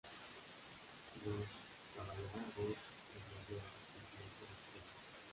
los caballerangos, los boyeros, los mozos de espuela